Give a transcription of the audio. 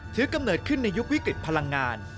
กำเนิดขึ้นในยุควิกฤตพลังงาน